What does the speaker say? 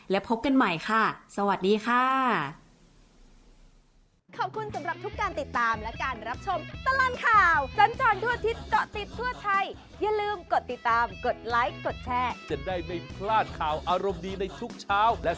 และพบกันใหม่ค่ะสวัสดีค่ะ